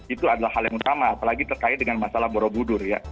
itu adalah hal yang utama apalagi terkait dengan masalah borobudur ya